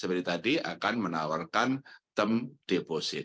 seperti tadi akan menawarkan term deposit